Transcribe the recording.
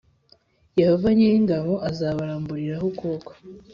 Yehova nyiri ingabo azabaramburira ukuboko